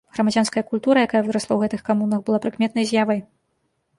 Грамадзянская культура, якая вырасла ў гэтых камунах была прыкметнай з'явай.